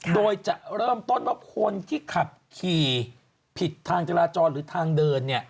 โดยจะเริ่มต้นว่าคนที่ขับขี่ผิดทางจราจรหรือทางเดิน